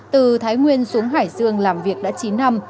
từ thái nguyên xuống hải dương làm việc đã chín năm